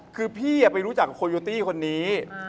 คือพี่ไปรู้จักโคโยตี้คนนี้